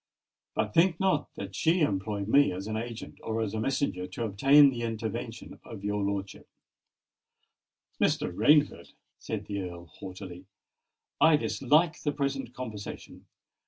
"But think not that she employed me as an agent or as a messenger to obtain the intervention of your lordship——" "Mr. Rainford," said the Earl haughtily, "I dislike the present conversation.